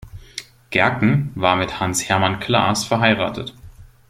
Gerken war mit Hans-Hermann Klaas verheiratet.